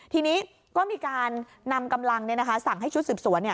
ทีนี้ก็มีการนำกำลังสั่งให้ชุดสืบสวน